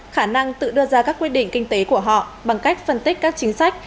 khả năng tự đưa ra các quyết định kinh tế của họ bằng cách phân tích các chính sách